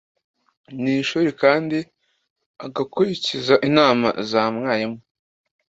mu ishuri kandi agakurikiza inama za mwarimu